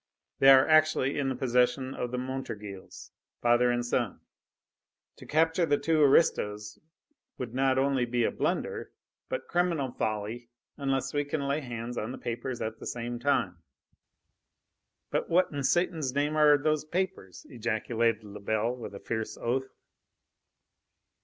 They are actually in the possession of the Montorgueils, father and son. To capture the two aristos would be not only a blunder, but criminal folly, unless we can lay hands on the papers at the same time." "But what in Satan's name are those papers?" ejaculated Lebel with a fierce oath.